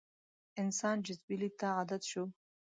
انسان جزوي لید ته عادت شو.